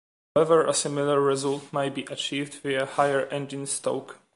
However a similar result may be achieved via higher engine stoke.